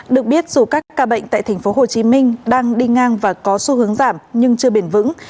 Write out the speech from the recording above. được biết dù các ca bệnh tại tp hcm đang đi ngang và có xu hướng giảm nhưng chưa bền vững